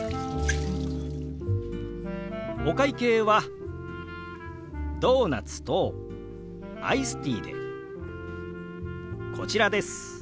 お会計はドーナツとアイスティーでこちらです。